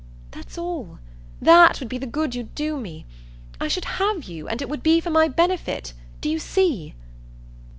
That's all THAT would be the good you'd do me. I should HAVE you, and it would be for my benefit. Do you see?"